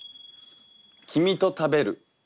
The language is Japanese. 「君と食べる」。